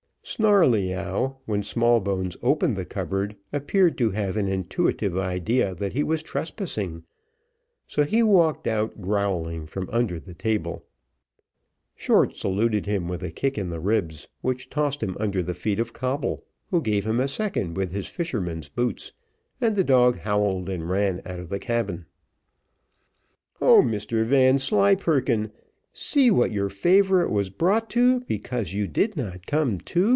Snarleyyow, when Smallbones opened the cupboard, appeared to have an intuitive idea that he was trespassing, so he walked out growling from under the table; Short saluted him with a kick in the ribs, which tossed him under the feet of Coble, who gave him a second with his fisherman's boots, and the dog howled, and ran out of the cabin. O Mr Vanslyperken! see what your favourite was brought to, because you did not come to.